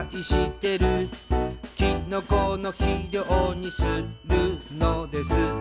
「きのこの肥料にするのです」